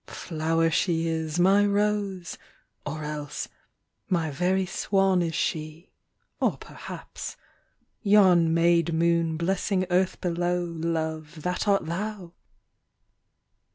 "Flower she is, my rose" or else, "My very swan is she" Or perhaps, "Yon maid moon, blessing earth below, Love, That art thou!"